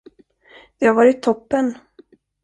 Det har varit toppen.